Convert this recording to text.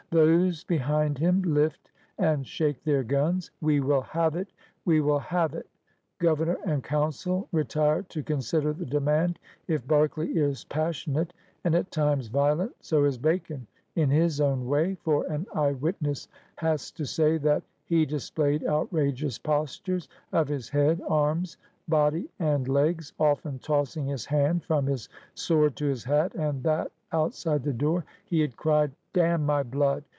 Those behind him lift and shake their gmis. ^^ We will have it! We will have it! Governor and Council retire to consider the demand. If Berkeley is passionate and at times violent, so is Bacon in his own way, for an eye witness has to say that "he displayed outrageous postures of his head, arms, body and l^s, often tossing his hand from his sword to his hat, and that outside the door he had cried: "Damn my blood!